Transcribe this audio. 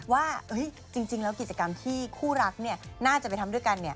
ว่าจริงแล้วกิจกรรมที่คู่รักน่าจะไปทำด้วยกัน